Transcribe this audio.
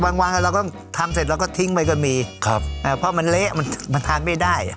บางวันเราก็ทำเสร็จเราก็ทิ้งไปก็มีครับเพราะมันเละมันมันทานไม่ได้อ่ะ